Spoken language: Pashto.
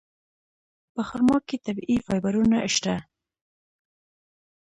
په خرما کې طبیعي فایبرونه شته.